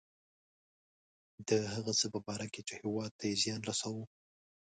د هغه څه په باره کې چې هیواد ته یې زیان رساوه.